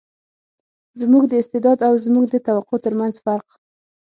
زموږ د استعداد او زموږ د توقع تر منځ فرق.